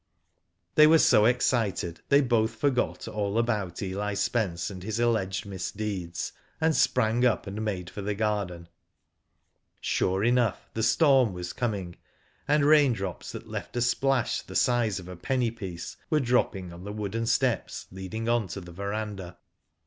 * They w'ere so excited they both forgot ail about Eli Spence and his alleged misdeeds, and sprang up and made for the garden. Sure enough the storm was coming, and rain drops that left a splash the size of a penny piecer were dropping on the wooden steps leading on to the verandah.